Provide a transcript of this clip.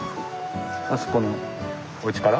あそこのおうちから？